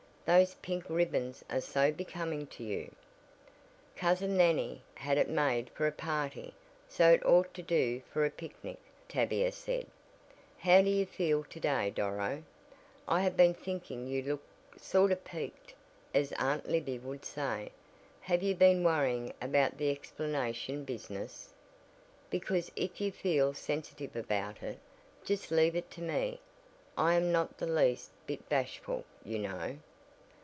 "Those pink ribbons are so becoming to you." "Cousin Nannie had it made for a party, so it ought to do for a picnic," Tavia said. "How do you feel to day Doro? I have been thinking you look sort of 'peaked' as Aunt Libby would say. Have you been worrying about the explanation business? Because if you feel sensitive about it, just leave it to me. I am not the least bit bashful, you know."